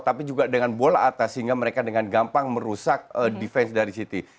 tapi juga dengan bola atas sehingga mereka dengan gampang merusak defense dari city